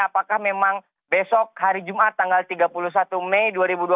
apakah memang besok hari jumat tanggal tiga puluh satu mei dua ribu dua puluh